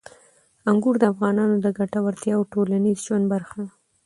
انګور د افغانانو د ګټورتیا او ټولنیز ژوند برخه ده.